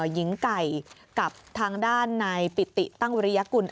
หญิงไก่กับทางด้านนายปิติตั้งวิริยกุล